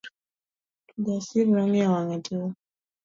Kijasiri nong'iyo wange tir.